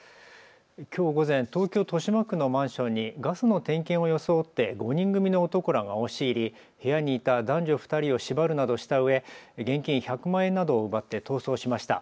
きょう午前、東京豊島区のマンションにガスの点検を装って５人組の男らが押し入り、部屋にいた男女２人を縛るなどしたうえ現金１００万円などを奪って逃走しました。